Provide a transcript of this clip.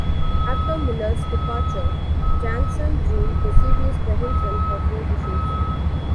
After Miller's departure, Janson drew the series by himself for four issues.